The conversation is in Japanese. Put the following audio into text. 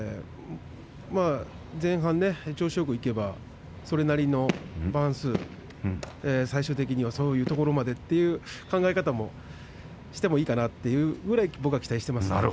前半調子よくいけばそれなりの番数最終的にはそういうところまでという考え方をしてもいいかなというくらい期待しています。